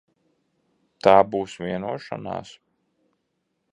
Tā būs vienošanās?